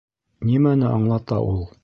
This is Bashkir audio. Нимәне аңлата ул?